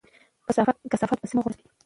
کثافات په سړک مه غورځوئ.